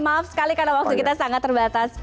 maaf sekali karena waktu kita sangat terbatas